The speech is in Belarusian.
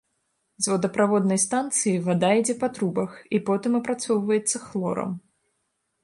З водаправоднай станцыі вада ідзе па трубах і потым апрацоўваецца хлорам.